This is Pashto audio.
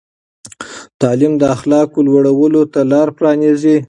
تعلیم د اخلاقو لوړولو ته لار پرانیزي.